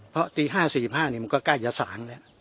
เพราะตี๕๔๕มันก็ใกล้จะสารแล้ว